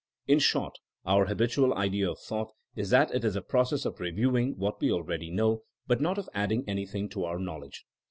In short, our habitual idea of thought is that it is a process of reviewing what we already know, but not of adding anything to our knowledge.